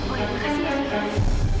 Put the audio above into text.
oh ya terima kasih ya